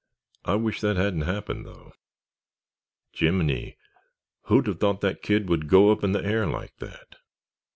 I wish that hadn't happened, though. Jiminy, who'd have thought that kid would go up in the air like that!"